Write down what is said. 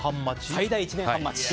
最大１年半待ち。